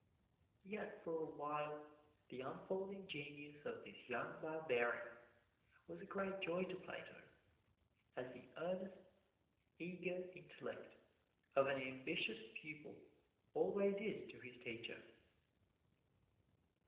Yet for a while the unfolding genius of this young barbarian was a great joy to Plato, as the earnest, eager intellect of an ambitious pupil always is to his teacher.